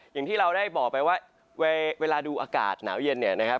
อย่างที่เราได้บอกไปว่าเวลาดูอากาศหนาวเย็นเนี่ยนะครับ